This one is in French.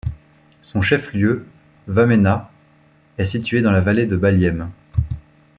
Son chef-lieu, Wamena, est situé dans la vallée de Baliem.